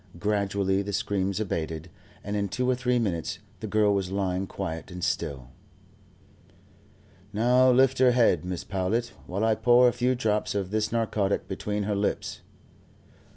Gradually the screams abated, and in two or three minutes the girl was lying quiet and still. "Now, lift her head, Mrs. Powlett, while I pour a few drops of this narcotic between her lips."